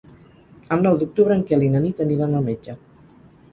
El nou d'octubre en Quel i na Nit aniran al metge.